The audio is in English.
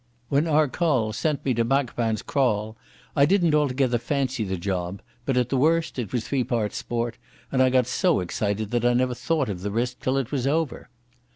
When Arcoll sent me to Makapan's kraal I didn't altogether fancy the job, but at the worst it was three parts sport, and I got so excited that I never thought of the risk till it was over